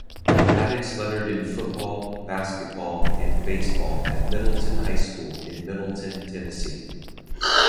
Haddix lettered in football, basketball and baseball at Middleton High School in Middleton, Tennessee.